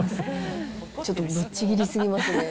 ちょっとぶっちぎりすぎますね。